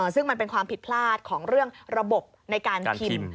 ซึ่งมันเป็นความผิดพลาดของเรื่องระบบในการพิมพ์